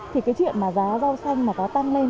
thì cái chuyện mà giá rau xanh mà có tăng lên